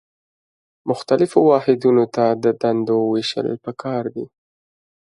مختلفو واحدونو ته د دندو ویشل پکار دي.